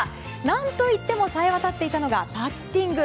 何といっても冴えわたっていたのがパッティング。